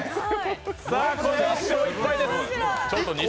これで１勝１敗です。